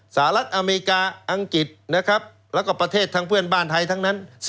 สหรัฐอเมริกาอังกฤษนะครับแล้วก็ประเทศทั้งเพื่อนบ้านไทยทั้งนั้น